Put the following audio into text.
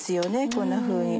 こんなふうに。